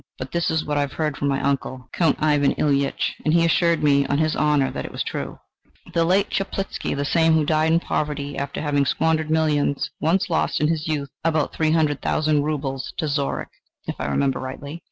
But this is what I heard from my uncle, Count Ivan Ilyich, and he assured me, on his honour, that it was true. The late Chaplitzky the same who died in poverty after having squandered millions once lost, in his youth, about three hundred thousand roubles to Zorich, if I remember rightly.